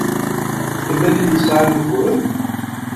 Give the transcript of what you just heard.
Tella tin i yesɛan uguren.